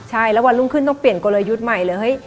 ใช่แล้ววันรุ่งขึ้นต้องเปลี่ยนกลยุทธ์ใหม่เลยเฮ้ย